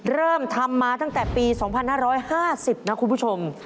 เริ่มทำมาตั้งแต่ปี๒๕๕๐นะคุณผู้ชม